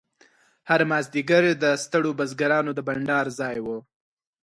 هر مازیګر د ستړو بزګرانو د بنډار ځای و.